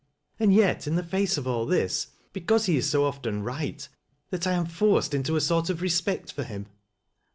And yet, in the face of all this, because he is so often right, that I am forced into a sort of respect for him."